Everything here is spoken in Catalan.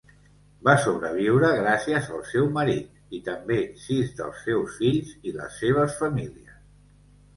Va sobreviure gràcies al seu marit, i també sis dels seus fills i les seves famílies.